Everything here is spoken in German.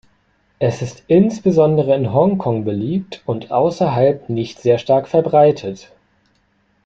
Es ist insbesondere in Hongkong beliebt und außerhalb nicht sehr stark verbreitet.